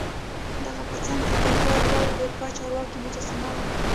دهغه په څنګ کې د یوه لوړ رتبه چارواکي مجسمه وه.